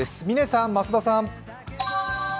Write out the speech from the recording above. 嶺さん、増田さん。